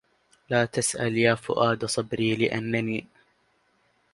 لا تسل يا فؤاد صبري لأني